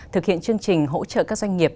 thực hiện chương trình hỗ trợ các doanh nghiệp